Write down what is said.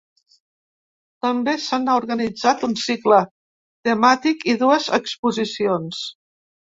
També se n’ha organitzat un cicle temàtic i dues exposicions.